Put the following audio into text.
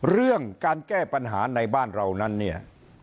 เรื่องการแก้ปัญหาในบ้านเรานั้นเนี่ย